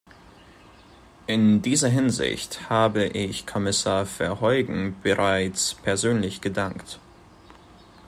In dieser Hinsicht habe ich Kommissar Verheugen bereits persönlich gedankt.